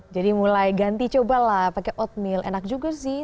jadi mulai ganti cobalah pakai oatmeal enak juga sih